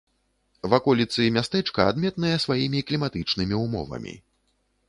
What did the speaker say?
Ваколіцы мястэчка адметныя сваімі кліматычнымі ўмовамі.